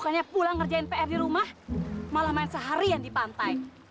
soalnya pulang ngerjain pr di rumah malah main seharian di pantai